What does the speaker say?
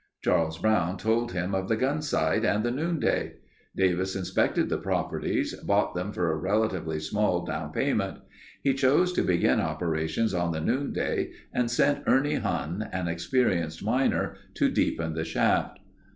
Charles Brown told him of the Gunsight and the Noonday. Davis inspected the properties, bought them for a relatively small down payment. He chose to begin operations on the Noonday and sent Ernie Huhn, an experienced miner to deepen the shaft.